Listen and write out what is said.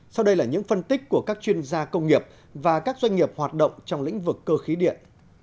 sau đây là những phân tích của các chuyên gia công nghiệp và các doanh nghiệp hoạt động trong lĩnh vực cơ khí điện